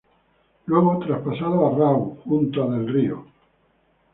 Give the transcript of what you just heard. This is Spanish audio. Luego, traspasado a "Raw" junto a Del Rio.